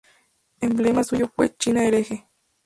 Emblema suyo fue "China hereje".